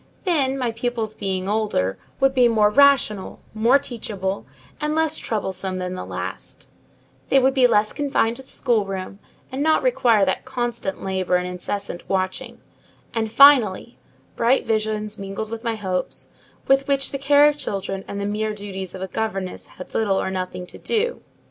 Then, my pupils being older, would be more rational, more teachable, and less troublesome than the last; they would be less confined to the schoolroom, and not require that constant labour and incessant watching; and, finally, bright visions mingled with my hopes, with which the care of children and the mere duties of a governess had little or nothing to do.